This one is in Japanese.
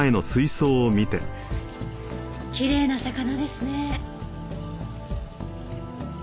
きれいな魚ですね。